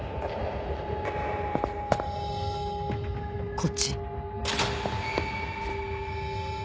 こっち